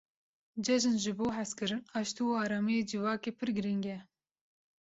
Cejin ji bo hezkirin, aştî û aramiya civakê pir girîng e.